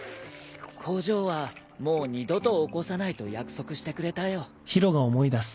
工場はもう二度と起こさないと約束してくれたよ。